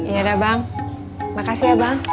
ya udah bang makasih ya bang